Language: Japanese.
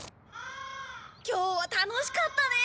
今日は楽しかったね。